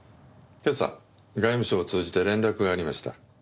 今朝外務省を通じて連絡がありました。